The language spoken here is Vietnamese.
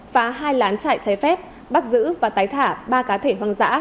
phá hai lán chạy cháy phép bắt giữ và tái thả ba cá thể hoang dã